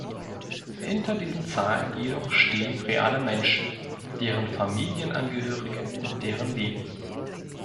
Hinter diesen Zahlen jedoch stehen reale Menschen, deren Familienangehörige und deren Leben.